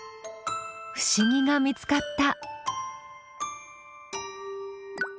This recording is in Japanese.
不思議が見つかった。